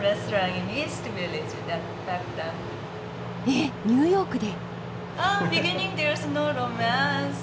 えっニューヨークで。